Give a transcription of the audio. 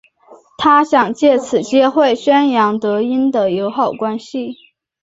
他想借此机会宣扬德英的友好关系。